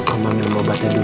mama minum obatnya dulu ya